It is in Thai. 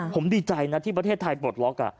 ผมดีใจนะที่ประเทศไทยปลดล็อก